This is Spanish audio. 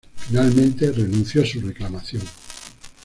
Finalmente renunció a su reclamación.